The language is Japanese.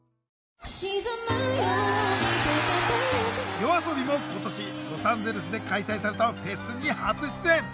ＹＯＡＳＯＢＩも今年ロサンゼルスで開催されたフェスに初出演。